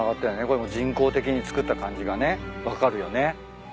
これも人工的に造った感じがね分かるよね。